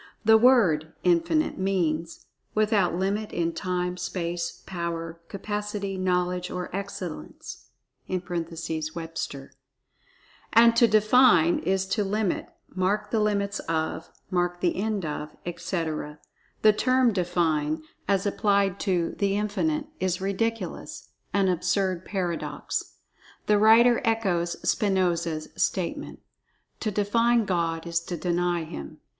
The word "Infinite" means "without limit in time, space, power, capacity, knowledge or excellence" (Webster). And to "define" is to[Pg 15] "limit"; "mark the limits of"; "mark the end of," etc. The term "define," as applied to "The Infinite," is ridiculous—an absurd paradox. The writer echoes Spinoza's statement: "To define God is to deny Him."